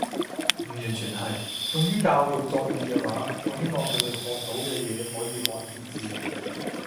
唔完全係。用於教育作用嘅話，我希望佢哋學到嘅嘢可以學以致用